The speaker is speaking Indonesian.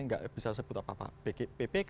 nggak bisa sebut apa apa ppk